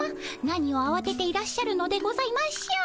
何をあわてていらっしゃるのでございましょう？